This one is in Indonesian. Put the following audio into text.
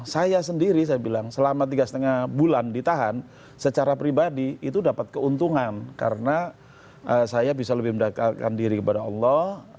saya sendiri saya bilang selama tiga lima bulan ditahan secara pribadi itu dapat keuntungan karena saya bisa lebih mendekatkan diri kepada allah